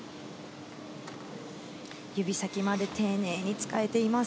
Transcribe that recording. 指先まで丁寧に使えています。